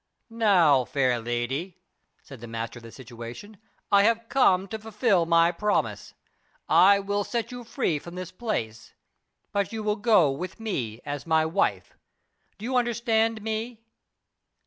"Now, fair lady," said the master of the situation, "I have come to fulfill my promise. I will set you free from this place, but you will go with me as my wife. Do you understand me?"